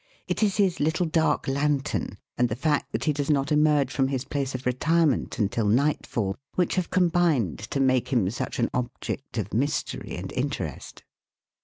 It is his little dark lantern, and the fact that he does not emerge from his place of retirement until nightfall, which have combined to make him such an object of mystery and interest.